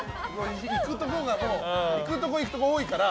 行くとこ行くとこ多いから。